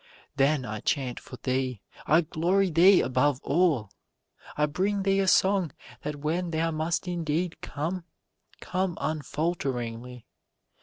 Then I chant for thee, I glorify thee above all, I bring thee a song that when thou must indeed come, come unfalteringly.